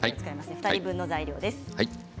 ２人分の材料です。